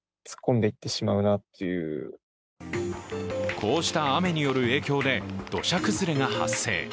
こうした雨による影響で、土砂崩れが発生。